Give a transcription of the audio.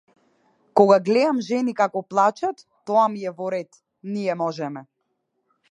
Кога глеам жени како плачат - тоа ми е во ред, ние можеме.